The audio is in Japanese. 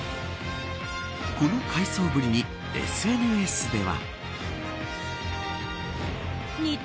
この快走ぶりに、ＳＮＳでは。